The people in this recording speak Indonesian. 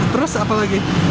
terus apa lagi